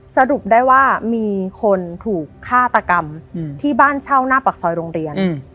สรุปได้ว่ามีคนถูกฆาตกรรมที่บ้านเช่าหน้าปากซอยโรงเรียน